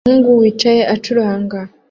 Umuhungu wicaye acuranga